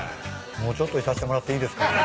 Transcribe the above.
もうちょっといさせてもらっていいですかね？